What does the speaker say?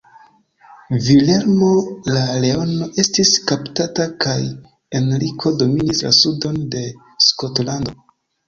Vilhelmo la Leono estis kaptata, kaj Henriko dominis la sudon de Skotlando.